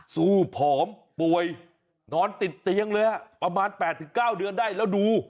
สู้ผอมป่วยนอนติดเตียงเลยฮะประมาณแปดถึงเก้าเดือนได้แล้วดู